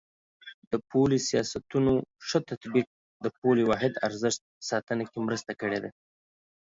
د پولي سیاستونو ښه تطبیق د پولي واحد ارزښت ساتنه کې مرسته کړې ده.